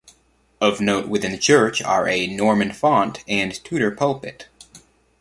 Of note within the church are a Norman font and Tudor pulpit.